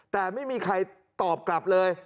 แต่ไม่มีใครตอบกลับเลย